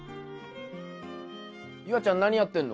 夕空ちゃん何やってんの？